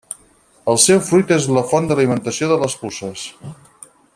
El seu fruit és la font d'alimentació de les puces.